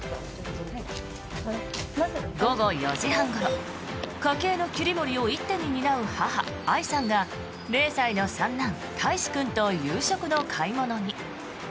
午後４時半ごろ家計の切り盛りを一手に担う母愛さんが０歳の三男・泰志君と夕食の買い物に。